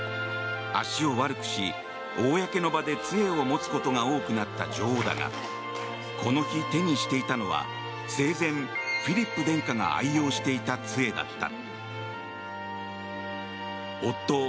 足を悪くし公の場で杖を持つことが多くなった女王だがこの日、手にしていたのは生前、フィリップ殿下が愛用していた杖だった。